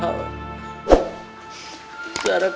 peringin ikut lomba ngaji